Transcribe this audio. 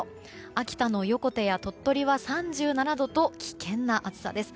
秋田の横手や鳥取は３７度と危険な暑さです。